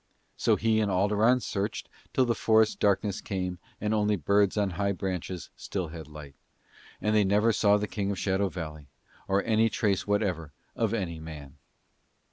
So he and Alderon searched till the forest darkness came and only birds on high branches still had light; and they never saw the King of Shadow Valley or any trace whatever of any man.